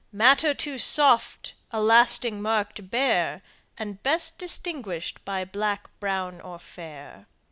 "Matter too soft a lasting mark to bear, And best distinguish'd by black, brown, or fair."